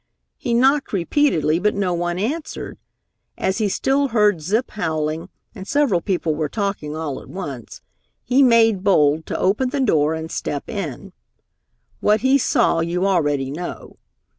He knocked repeatedly but no one answered. As he still heard Zip howling and several people were talking all at once, he made bold to open the door and step in. What he saw you already know.